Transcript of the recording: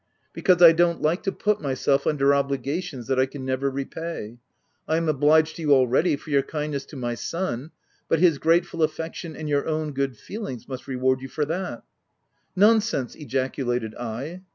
" Because, I don't like to put myself under obligations that I can never repay — I am obliged OF WILDFELL HALL. 147 to you, already for your kindness to my son ; but his grateful affection, and your own good feelings must reward you for that/' " Nonsense !" ejaculated I.